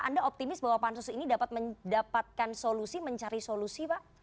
anda optimis bahwa pansus ini dapat mendapatkan solusi mencari solusi pak